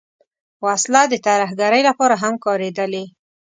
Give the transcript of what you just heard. وسله د ترهګرۍ لپاره هم کارېدلې